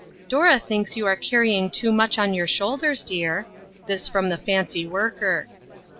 "Dora thinks you are carrying too much on your shoulders, dear." This from the fancy worker.